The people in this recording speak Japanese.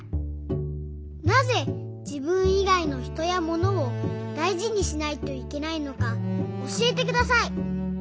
なぜじぶんいがいのひとやものをだいじにしないといけないのかおしえてください。